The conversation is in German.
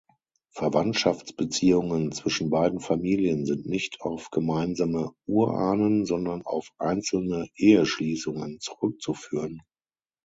Verwandtschaftsbeziehungen zwischen beiden Familien sind nicht auf gemeinsame Urahnen, sondern auf einzelne Eheschließungen zurückzuführen.